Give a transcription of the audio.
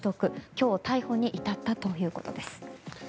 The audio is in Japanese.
今日逮捕に至ったということです。